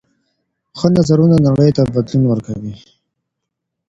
ښه نظرونه نړۍ ته بدلون ورکوي.